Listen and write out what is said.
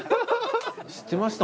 知ってました？